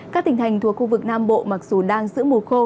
các tỉnh thành thuộc khu vực nam bộ mặc dù đang giữa mùa khô